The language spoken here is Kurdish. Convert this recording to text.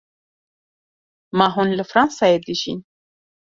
Ma hûn li Fransayê dijîn?